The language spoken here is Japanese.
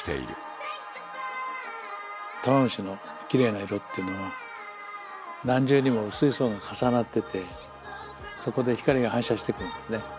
玉虫のきれいな色っていうのは何重にも薄い層が重なっててそこで光が反射してくるんですね。